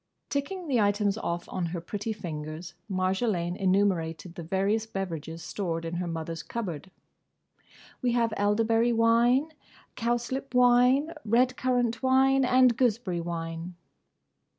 Ticking the items off on her pretty fingers, Marjolaine enumerated the various beverages stored in her mother's cupboard. "We have elderberry wine; cowslip wine; red currant wine; and gooseberry wine."